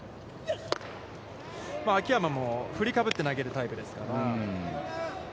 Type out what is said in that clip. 秋山も振りかぶって投げるタイプですから。